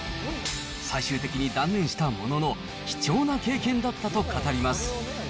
最終的に断念したものの、貴重な経験だったと語ります。